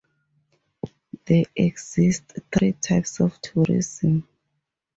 There exists three types of tourism.